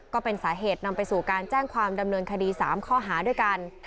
ก็เป็นสาเหตุนำไปสู่การแจ้งความดำเนินคดี๓ข้อหาด้วยกัน